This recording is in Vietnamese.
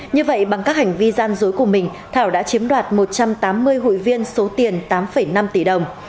như vậy bằng các hành vi gian dối của mình thảo đã chiếm đoạt một trăm tám mươi hội viên số tiền tám năm tỷ đồng